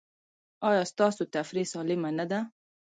ایا ستاسو تفریح سالمه نه ده؟